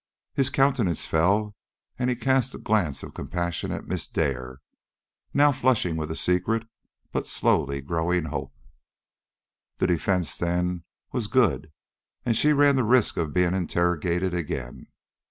His countenance fell and he cast a glance of compassion at Miss Dare, now flushing with a secret but slowly growing hope. The defence, then, was good, and she ran the risk of being interrogated again.